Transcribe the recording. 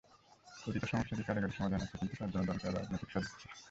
প্রতিটা সমস্যারই কারিগরি সমাধান আছে, কিন্তু তার জন্য দরকার রাজনৈতিক সদিচ্ছা।